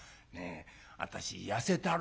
私痩せたろ？」。